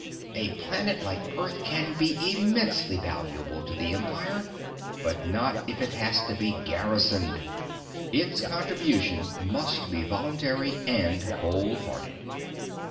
A planet like Earth can be immensely valuable to the Empire, but not if it has to be garrisoned. Its contribution must be voluntary and whole hearted."